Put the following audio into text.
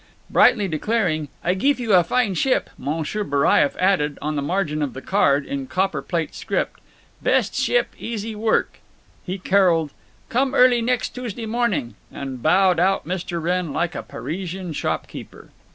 Brightly declaring "I geef you a fine ship," M. Baraieff added, on the margin of the card, in copper plate script, "Best ship, easy work." He caroled, "Come early next Tuesday morning, "and bowed out Mr. Wrenn like a Parisian shopkeeper.